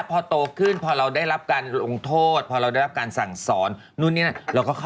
เห็นตบตบเอา